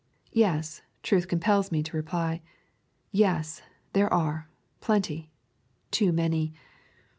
Yes, truth compels me to reply. Yes, there are, plenty, too many.